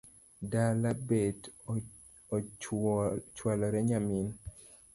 Dala bet ochualore nyamin